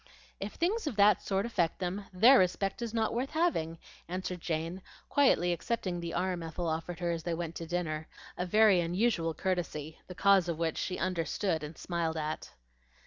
"If things of that sort affect them, their respect is not worth having," answered Jane, quietly accepting the arm Ethel offered her as they went to dinner, a very unusual courtesy, the cause of which she understood and smiled at.